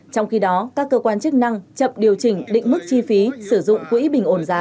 trong khi đó các cơ quan chức năng chậm điều chỉnh định mức chi phí sử dụng quỹ bình ổn giá